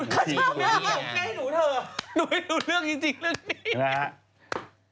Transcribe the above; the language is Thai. ดูให้ดูเรื่องจริงเรื่องนี้